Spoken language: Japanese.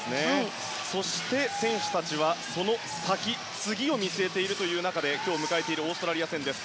そして選手たちはその先、次を見据えている中で今日迎えているオーストラリア戦です。